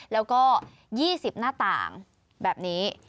แล้วก็๒๐หน้าต่างแบบนี้